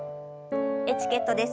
エチケットです。